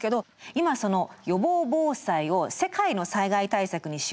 今その予防防災を世界の災害対策にしようとしています。